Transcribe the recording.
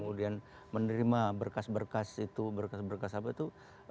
kemudian menerima berkas berkas itu berkas berkas apa itu